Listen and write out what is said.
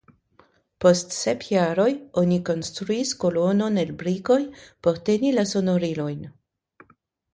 Post sep jaroj oni konstruis kolonon el brikoj por teni la sonorilojn.